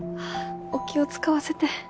お気を使わせて。